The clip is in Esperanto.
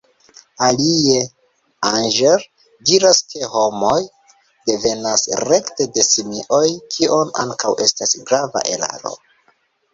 Alie, Engels diras ke homo devenas rekte de simioj, kio ankaŭ estas grava eraro.